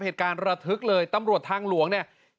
เหตุการณ์ระทึกเลยตำรวจทางหลวงเนี่ย